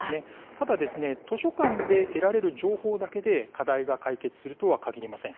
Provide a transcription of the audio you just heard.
ただ図書館で得られる情報だけで課題が解決するとはかぎりません。